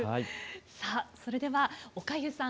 さあそれではおかゆさん